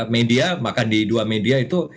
media bahkan di dua media itu